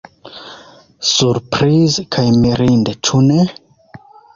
Surprize kaj mirinde, ĉu ne?